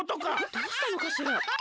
どうしたのかしら？